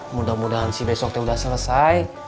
mudah mudahan si besoknya udah selesai